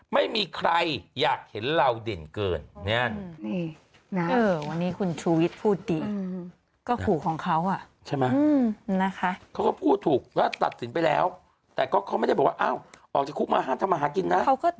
ไม่มีใครอยากเห็นเราเด่นเกิน